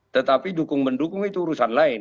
tetapi dukung mendukung itu urusan lain